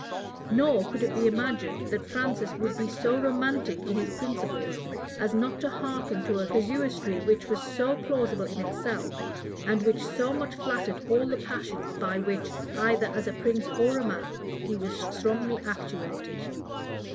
Nor could it be imagined that Francis would be so romantic in his principles, as not to hearken to a casuistry which was so plausible in itself, and which so much flattered all the passions by which, either as a prince or a man, he was strongly actuated.